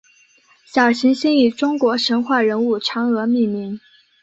小行星以中国神话人物嫦娥命名。